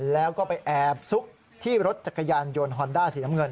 แล้วก็ไปแอบซุกที่รถจักรยานยนต์ฮอนด้าสีน้ำเงิน